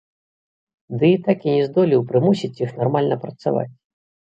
Дый так і не здолеў прымусіць іх нармальна працаваць.